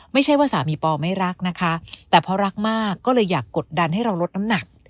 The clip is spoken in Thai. ไม่ใช่ว่าสามีปอไม่รักนะคะแต่พอรักมากก็เลยอยากกดดันให้เราลดน้ำหนัก